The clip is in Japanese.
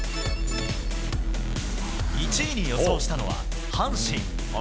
１位に予想したのは阪神。